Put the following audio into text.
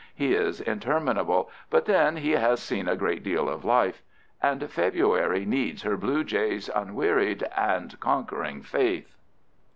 He is interminable, but then he has seen a great deal of life. And February needs her blue jays' unwearied and conquering faith.